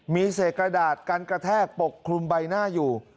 มีเศษกระดาษกันกระแทกปกคลุมใบหน้าอยู่